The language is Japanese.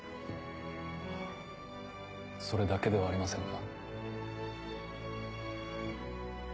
それだけではありませんが。